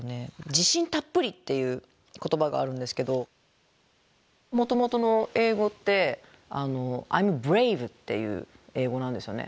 「じしんたっぷり！」っていう言葉があるんですけどもともとの英語って「Ｉ’ｍｂｒａｖｅ」っていう英語なんですよね。